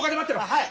はい。